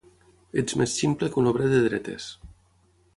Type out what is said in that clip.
Ets més ximple que un obrer de dretes